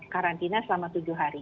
karantina selama tujuh hari